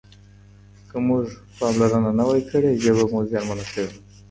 که موږ پاملرنه نه وای کړې ژبه به زیانمنه سوې وای.